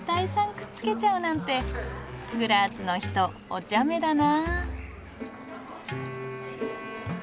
くっつけちゃうなんてグラーツの人おちゃめだな。